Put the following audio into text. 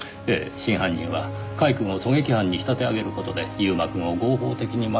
真犯人は甲斐くんを狙撃犯に仕立て上げる事で悠馬くんを合法的に抹殺する状況を手に入れた。